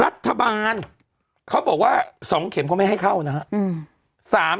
รัฐบาลเขาบอกว่า๒เข็มเขาไม่ให้เข้านะครับ